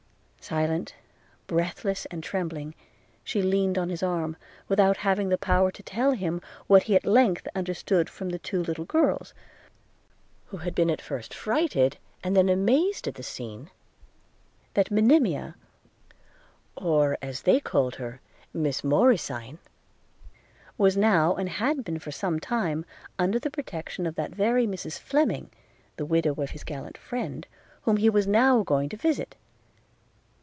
Silent, breathless, and trembling, she leaned on his arm, without having the power to tell him, what he at length understood from the two little girls, who had been at first frightened, and then amazed at the scene – That Monimia, or, as they called her, Miss Morysine, was now, and had been for some time, under the protection of that very Mrs Fleming, the widow of his gallant friend, whom he was now going to visit.